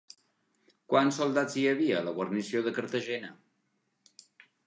Quants soldats hi havia a la guarnició de Cartagena?